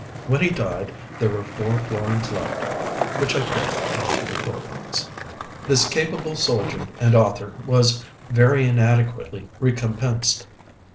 When he died there were four florins left, which I put into the poor box." This capable soldier and author was very inadequately recompensed.